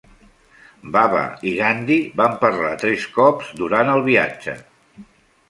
Baba i Gandhi van parlar tres cops durant el viatge.